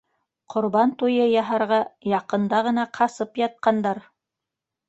Ҡорбан туйы яһарға яҡында ғына ҡасып ятҡандар!